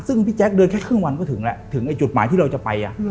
ซึ่งพี่แจ๊คเดินแค่ครึ่งวันก็ถึงแล้วถึงไอ้จุดหมายที่เราจะไป